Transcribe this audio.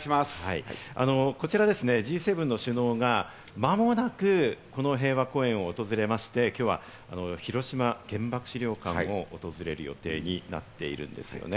こちらＧ７の首脳が間もなくこの平和公園を訪れまして、きょうは広島原爆資料館を訪れる予定になっているんですよね。